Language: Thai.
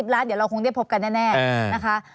ล้านเดี๋ยวเราคงได้พบกันแน่นะคะ